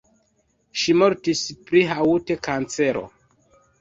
Ŝi mortis pri haŭt-kancero.